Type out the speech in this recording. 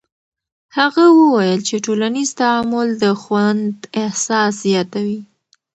هغه وویل چې ټولنیز تعامل د خوند احساس زیاتوي.